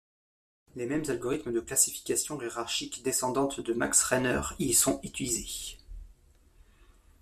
Les mêmes algorithmes de classification hiérarchique descendante de Max Reinert y sont utilisés.